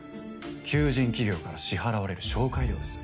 求人企業から支払われる紹介料です。